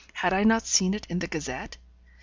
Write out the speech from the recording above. Had I not seen it in the Gazette?